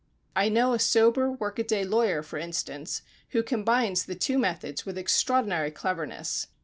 I know a sober, workaday lawyer, for instance, who combines the two methods with extraordinary cleverness.